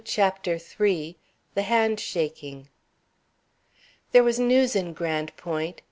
CHAPTER III. THE HANDSHAKING. There was news in Grande Pointe.